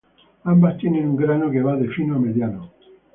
Ambas tienen un grano que va de fino a mediano.